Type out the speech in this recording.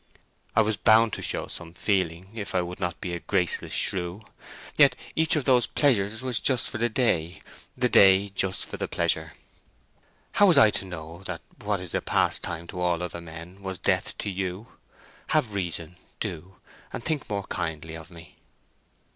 I was bound to show some feeling, if I would not be a graceless shrew. Yet each of those pleasures was just for the day—the day just for the pleasure. How was I to know that what is a pastime to all other men was death to you? Have reason, do, and think more kindly of me!"